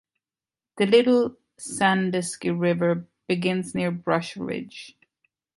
The Little Sandusky River begins near Brush Ridge.